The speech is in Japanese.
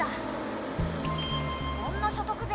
そんな所得税